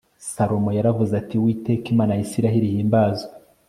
salomo yaravuze ati uwiteka imana ya isirayeli ihimbazwe